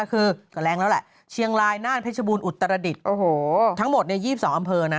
คือก็แรงแล้วแหละเชียงรายน่านเพชรบูรอุตรดิษฐ์โอ้โหทั้งหมดเนี่ย๒๒อำเภอนะ